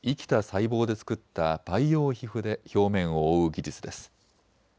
細胞で作った培養皮膚で表面を覆う技術です。